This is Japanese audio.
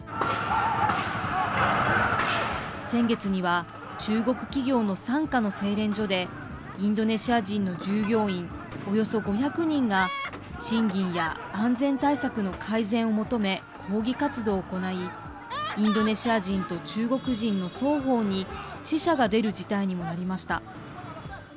先月には、中国企業の傘下の製錬所で、インドネシア人の従業員およそ５００人が、賃金や安全対策の改善を求め、抗議活動を行い、インドネシア人と中国人の双方に死者が出る事態にもなりました。